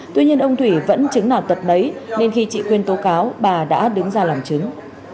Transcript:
tuy nhiên ông thủy vẫn chứng nào tật nấy nên khi chị quyên tố cáo bà đã đứng ra làm chứng